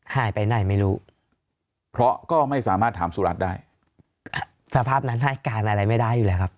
หายไปไหนไม่รู้เพราะก็ไม่สามารถถามสุรัตน์ได้สภาพนั้นให้การอะไรไม่ได้อยู่แล้วครับ